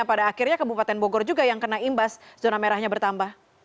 pada akhirnya kabupaten bogor juga yang kena imbas zona merahnya bertambah